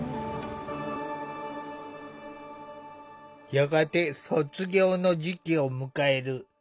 やがて卒業の時期を迎える。